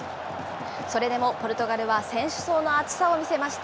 それでもポルトガルは、選手層の厚さを見せました。